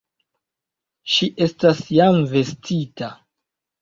Ŝi estas jam vestita.